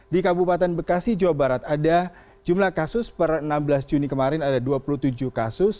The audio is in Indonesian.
di kabupaten bekasi jawa barat ada jumlah kasus per enam belas juni kemarin ada dua puluh tujuh kasus